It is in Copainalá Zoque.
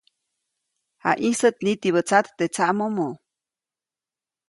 Jayĩsäʼt nitibä tsat teʼ tsaʼmomo.